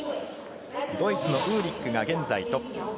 ドイツのウーリックが現在トップ。